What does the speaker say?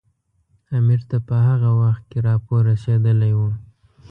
امیر ته په هغه وخت کې راپور رسېدلی وو.